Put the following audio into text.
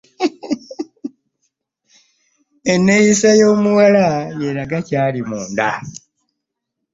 Enneeyisa y'omuwala y'eraga ky'ali Munda.